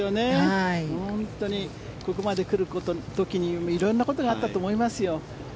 本当にここまで来るまでに色んなことがあったと思います。